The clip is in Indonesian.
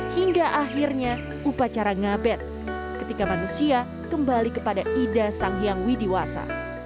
hingga akhirnya upacara ngabet ketika manusia kembali kepada ida sang hyang widiwasa